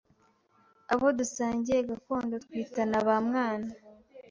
abo dusangiye Gakondo twitana bamwana